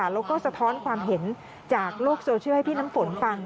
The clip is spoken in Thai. แล้วก็สะท้อนความเห็นจากโลกโซเชียลให้พี่น้ำฝนฟัง